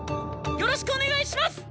よろしくお願いします！